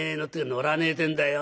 「乗らねえてんだよ」。